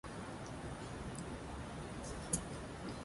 The hex map has also been popular for role-playing game wilderness maps.